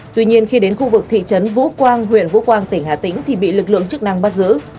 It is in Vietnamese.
tuy nhiên khi đến khu vực thị trấn vũ quang huyện vũ quang tỉnh hà tĩnh thì bị lực lượng chức năng bắt giữ